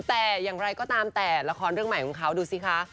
แต่อย่างไรก็ตามแต่ละครเรื่องใหม่ของเขาดูสิคะ